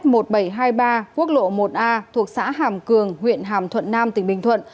trước đó tại km một nghìn bảy trăm hai mươi ba quốc lộ một a thuộc xã hàm cường huyện hàm thuận nam tỉnh bình thuận